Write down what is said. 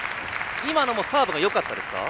今のもサーブがよかったですか？